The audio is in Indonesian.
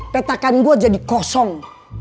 petakan gue jadi kosong